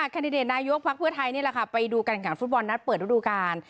แคนดิเดตนายุทธภักดิ์เพื่อไทยนี่แหละค่ะไปดูการการฟุตบอลนัดเปิดฤดูการ